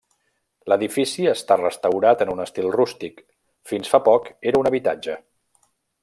L'edifici està restaurat en un estil rústic, fins fa poc era un habitatge.